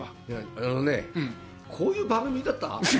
あのね、こういう番組だった？